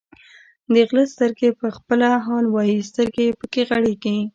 د غله سترګې په خپله حال وایي، سترګې یې پکې غړېږي.